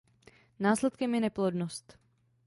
Následkem je neplodnost.